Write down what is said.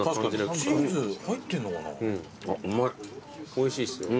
おいしいっすよ。